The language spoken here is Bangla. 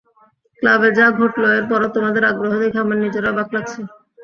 ক্লাবে যা ঘটল, এরপরও তোমাদের আগ্রহ দেখে আমার নিজেরই অবাক লাগছে!